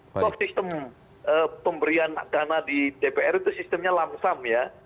bahwa sistem pemberian dana di dpr itu sistemnya lamsam ya